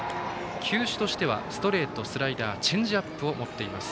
球種としてはストレートスライダー、チェンジアップを持っています。